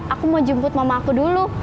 aku mau jemput mama aku dulu